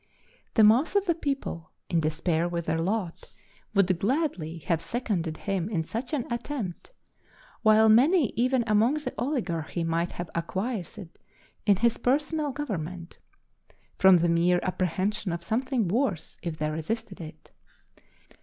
The mass of the people, in despair with their lot, would gladly have seconded him in such an attempt; while many even among the oligarchy might have acquiesced in his personal government, from the mere apprehension of something worse if they resisted it.